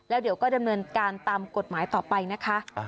เดี๋ยวก็ดำเนินการตามกฎหมายต่อไปนะคะ